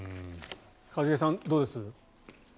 一茂さん、どうです？